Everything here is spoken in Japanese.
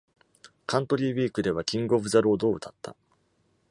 『Country Week』では、『King of the Road』を歌った。